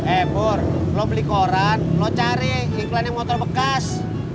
ebor lo beli koran lo cari iklannya motor bekas